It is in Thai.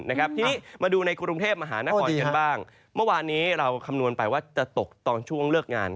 ทีนี้มาดูในกรุงเทพมหานครกันบ้างเมื่อวานนี้เราคำนวณไปว่าจะตกตอนช่วงเลิกงาน